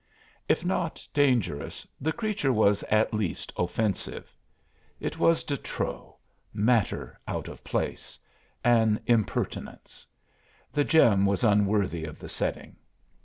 If not dangerous the creature was at least offensive. It was de trop "matter out of place" an impertinence. The gem was unworthy of the setting.